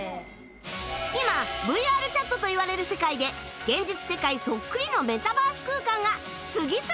今 ＶＲＣｈａｔ といわれる世界で現実世界そっくりのメタバース空間が次々と誕生